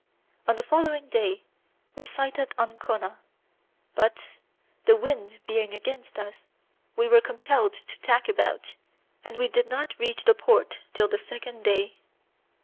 On the following day we sighted Ancona, but the wind being against us we were compelled to tack about, and we did not reach the port till the second day.